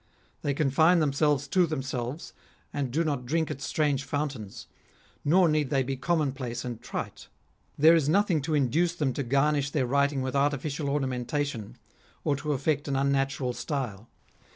They confine themselves to themselves, and do not drink at strange fountains ; nor need they be commonplace and trite. There is nothing to induce them to garnish their writing with artificial ornamentation, or to affect an unnatural style.